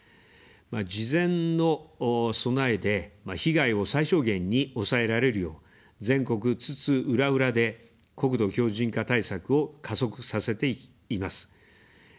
事前の備えで被害を最小限に抑えられるよう、全国津々浦々で国土強じん化対策を加速させています。